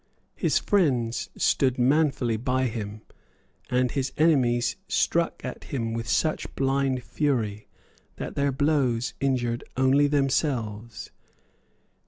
His friends stood manfully by him, and his enemies struck at him with such blind fury that their blows injured only themselves.